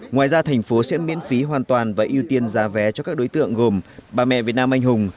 ngoài ra thành phố sẽ miễn phí hoàn toàn và ưu tiên giá vé cho các đối tượng gồm bà mẹ việt nam anh hùng